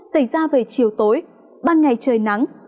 xảy ra về chiều tối ban ngày trời nắng